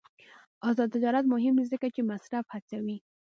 آزاد تجارت مهم دی ځکه چې مصرف هڅوي.